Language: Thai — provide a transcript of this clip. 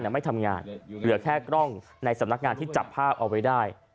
ไม่ทำงานเหลือแค่กล้องในสำนักงานที่จับภาพเอาไว้ได้